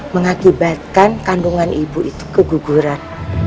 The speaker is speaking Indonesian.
mengakibatkan kandungan ibu itu keguguran